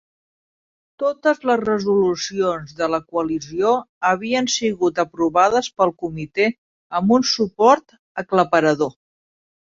Totes les resolucions de la coalició havien sigut aprovades pel comitè amb un suport aclaparador.